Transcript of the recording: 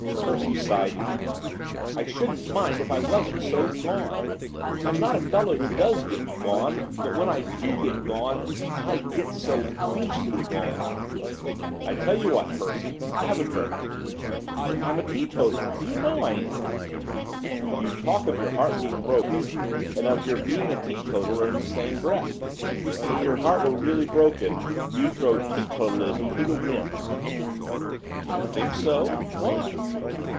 Percy sighed again. 'I shouldn't mind if I wasn't so gone. I'm not a fellow who does get gone, but when I do get gone, I get so beastly gone.' 'I tell you what, Percy, have a drink!' 'I'm a teetotaler, you know I am.' 'You talk of your heart being broken, and of your being a teetotaler in the same breath, if your heart were really broken you'd throw teetotalism to the winds.' 'Do you think so, why?